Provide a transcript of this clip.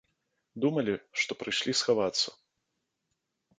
Думалі, што прыйшлі схавацца.